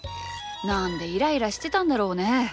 なんでイライラしてたんだろうね？